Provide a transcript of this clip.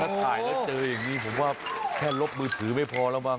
ถ้าถ่ายแล้วเจออย่างนี้ผมว่าแค่ลบมือถือไม่พอแล้วมั้